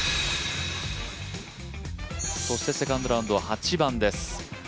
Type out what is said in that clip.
そしてセカンドラウンドは８番です